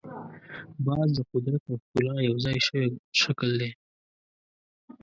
باز د قدرت او ښکلا یو ځای شوی شکل دی